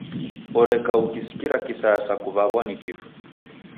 Oreka ukisikira kisaya sa kuw'aw'a ni kifu.